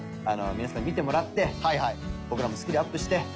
皆さんに見てもらって僕らもスキルアップして。